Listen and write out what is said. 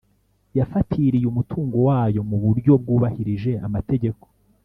Yafatiriye umutungo wayo mu buryo bwubahirije amategeko